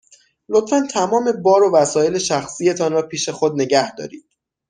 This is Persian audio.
لطفاً تمام بار و وسایل شخصی تان را پیش خود نگه دارید.